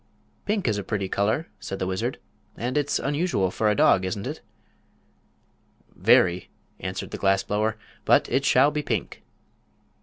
"Pink is a pretty color," said the wizard, "and it's unusual for a dog, isn't it?" "Very," answered the glass blower; "but it shall be pink."